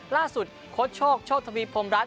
ล่าสุดโค้ดโชคโชคทฤพภรรัช